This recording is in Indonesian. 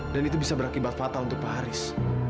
dan itu bisa berakibat fatal untuk pak haris